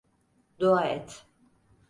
Dua et.